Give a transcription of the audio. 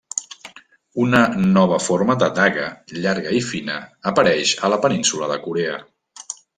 Una nova forma de daga, llarga i fina, apareix a la península de Corea.